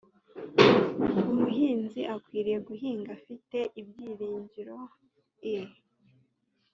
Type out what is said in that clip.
umuhinzi akwiriye guhinga afite ibyiringiro i